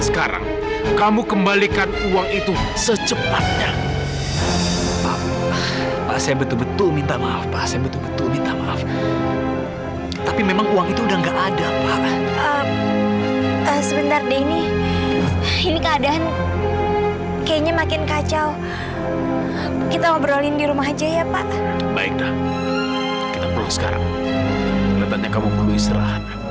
sampai jumpa di video selanjutnya